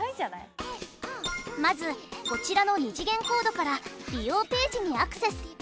まずこちらの２次元コードから利用ページにアクセス。